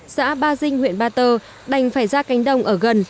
xã ba dinh huyện ba tơ đành phải ra cánh đồng ở gần